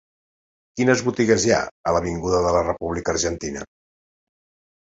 Quines botigues hi ha a l'avinguda de la República Argentina?